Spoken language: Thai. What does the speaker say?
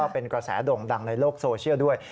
เป็นกระแสโด่งดังในโลกโซเชียลด้วย